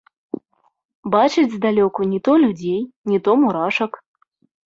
Бачыць здалёку не то людзей, не то мурашак.